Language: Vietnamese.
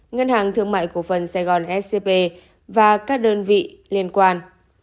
ngân hàng thương mại của phần sài gòn scpe và các đơn vị liên quan